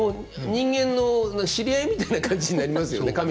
人間の知り合いみたいな感じになりますよね